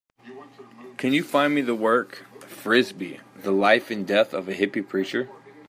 Can you find me the work, Frisbee: The Life and Death of a Hippie Preacher?